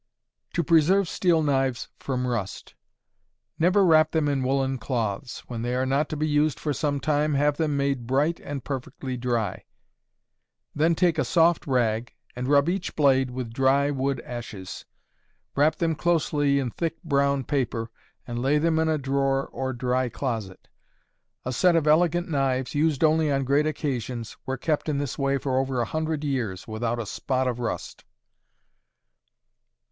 To Preserve Steel Knives from Rust. Never wrap them in woolen cloths. When they are not to be used for some time, have them made bright and perfectly dry; then take a soft rag, and rub each blade with dry wood ashes. Wrap them closely in thick brown paper, and lay them in a drawer or dry closet. A set of elegant knives, used only on great occasions, were kept in this way for over a hundred years without a spot of rust.